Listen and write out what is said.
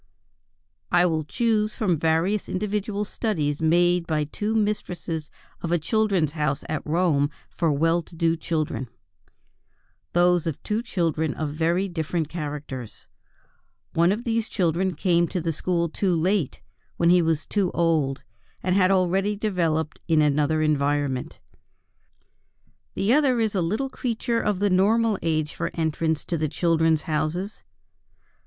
I will choose from various individual studies made by two mistresses of a Children's House at Rome for well to do children, those of two children of very different characters. One of these children came to the school too late, when he was too old, and had already developed in another environment. The other is a little creature of the normal age for entrance to the Children's Houses.